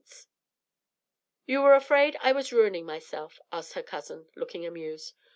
PAGE 73.] "You were afraid I was ruining myself," asked her cousin, looking amused.